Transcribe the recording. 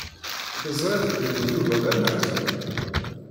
Teẓriḍ belli Yuba d ameḥzun?